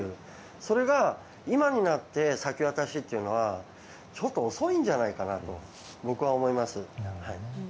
それが今になって先渡しというのはちょっと遅いんじゃないかなと僕は思います。